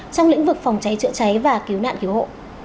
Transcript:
trong lĩnh vực phòng cháy chữa cháy và cứu nạn cứu hộ